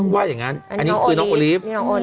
ว่าอย่างนั้นอันนี้คือน้องโอลีฟ